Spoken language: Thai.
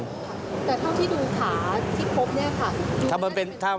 แต่เท่าที่ดูขาที่พบเนี่ยค่ะ